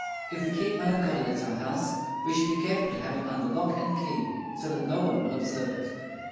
If we keep melancholy at our house, we should be careful to have it under lock and key, so that no one will observe it.